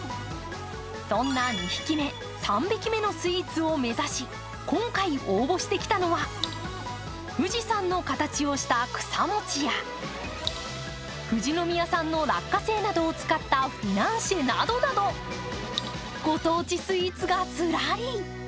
そんな２匹目、３匹目のスイーツを目指し、今回応募してきたのは、富士山の形をした草もちや富士宮産の落花生などを使ったフィナンシェなどなどご当地スイーツがずらり。